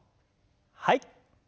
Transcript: はい。